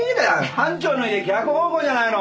班長の家逆方向じゃないの！